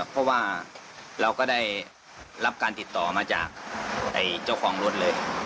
เพราะว่าเราก็ได้รับการติดต่อมาจากเจ้าของรถเลย